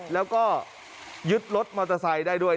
แล้วก็ยึดรถมอเตอร์ไซค์ได้ด้วย